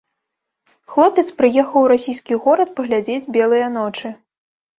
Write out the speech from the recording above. Хлопец прыехаў у расійскі горад паглядзець белыя ночы.